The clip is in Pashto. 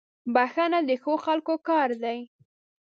• بښنه د ښو خلکو کار دی.